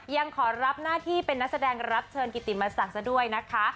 ยังขอรับหน้าที่เป็นนักแสดงรับเชิญกิติมศักดิ์ซะด้วยนะคะ